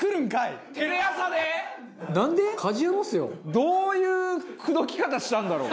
どういう口説き方したんだろう？